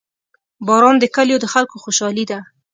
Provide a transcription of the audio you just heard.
• باران د کلیو د خلکو خوشحالي ده.